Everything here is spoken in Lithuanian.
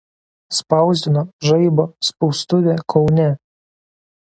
Spausdino „Žaibo“ spaustuvė Kaune.